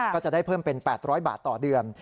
ก็จะได้เพิ่มเป็น๘๐๐บาทต่อเดือน